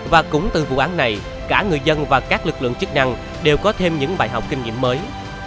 và cũng từ vụ án này cả người dân và các lực lượng chức năng đều có thêm những bài học kinh nghiệm mới